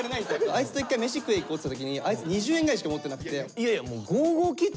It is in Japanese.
あいつと一回飯食い行こうっつった時にあいつ２０円ぐらいしか持ってなくて。